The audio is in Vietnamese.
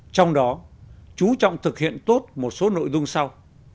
trong đó chú trọng thực hiện tốt một số nội dung sau